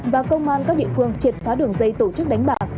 và công an các địa phương triệt phá đường dây tổ chức đánh bạc